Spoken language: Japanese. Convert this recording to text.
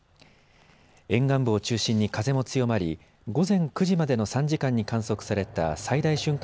沿岸部を中心に風も強まり午前９時までの３時間に観測された最大瞬間